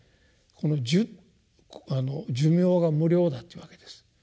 この寿命が無量だというわけです。